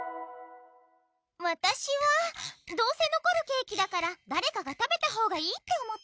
わたしはどうせのこるケーキだからだれかが食べたほうがいいって思ったの。